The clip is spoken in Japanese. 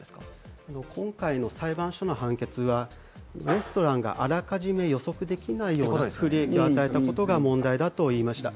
今回の裁判所の判決はレストランがあらかじめ予測できないような不利益を与えたことが問題だと言いました。